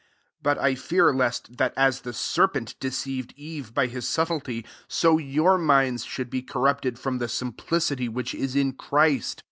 3 But I fear lest, that as the serpent deceived Eve by his subtilty, [so] your minds should be corrupted from the simplicity which is in Christ.